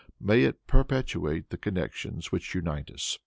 May it perpetuate the connections which unite us!